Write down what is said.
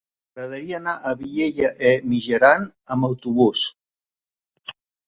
M'agradaria anar a Vielha e Mijaran amb autobús.